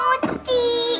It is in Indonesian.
ustazah kita biasanya itu